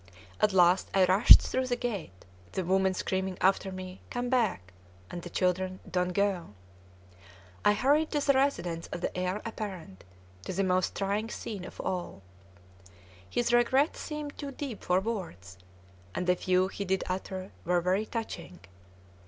At last I rushed through the gate, the women screaming after me, "Come back!" and the children, "Don't go!" I hurried to the residence of the heir apparent, to the most trying scene of all. His regret seemed too deep for words, and the few he did utter were very touching.